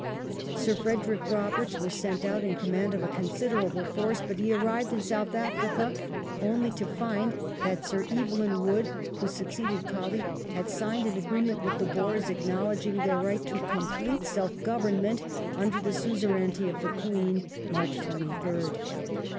Sir Frederick Roberts was sent out in command of a considerable force, but he arrived in South Afi'ica only to find that Sir Evelyn Wood, who succeeded Colley, had signed an agreement with the Boei s acknowledging their right to complete self government under the suzerainty of the Queen ^^March 23rd).